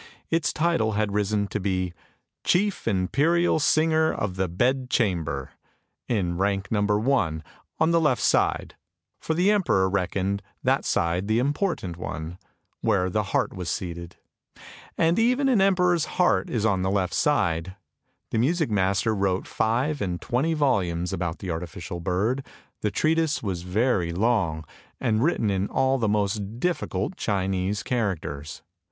Its title had risen to be " Chief Imperial Singer of the Bed Chamber, " in rank number one, on the left side; for the emperor reckoned that side the important one, where the heart was seated. And even an emperor's heart is on the left side. The music master wrote five and twenty volumes about the artificial bird; the treatise was very long, and written in all the most difficult Chinese characters.